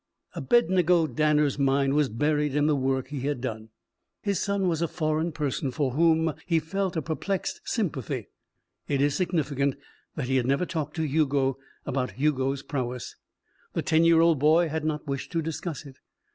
Abednego Danner's mind was buried in the work he had done. His son was a foreign person for whom he felt a perplexed sympathy. It is significant that he had never talked to Hugo about Hugo's prowess. The ten year old boy had not wished to discuss it.